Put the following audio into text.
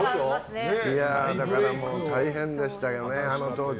大変でしたよね、あの当時。